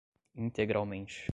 integralmente